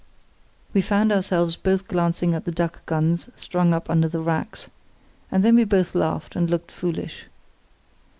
We found ourselves both glancing at the duck guns strung up under the racks, and then we both laughed and looked foolish.